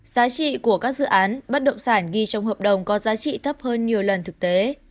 giá trị của các dự án bất động sản ghi trong hợp đồng có giá trị thấp hơn nhiều lần thực tế